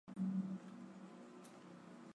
向村里的人借钱